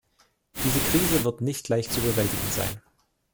Diese Krise wird nicht leicht zu bewältigen sein.